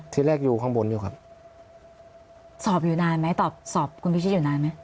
ที่แรกอยู่ข้างบนอยู่ครับสอบอยู่นานไหมตอบสอบคุณพิชิตอยู่นานไหม